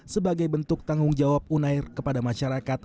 sebagai bentuk tanggung jawab unair kepada masyarakat